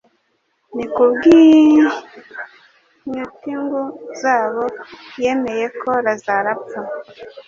Ni kubw'inytngu zabo yemeye ko Lazaro apfa.